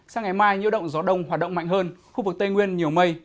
sáng ngày mai nhiễu động gió đông hoạt động mạnh hơn khu vực tây nguyên nhiều mây